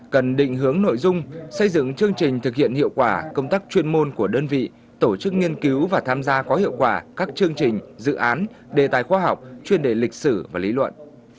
cần định hướng nội dung xây dựng chương trình thực hiện hiệu quả công tác chuyên môn của đơn vị tổ chức nghiên cứu và tham gia có hiệu quả các chương trình dự án đề tài khoa học chuyên đề lịch sử và lý luận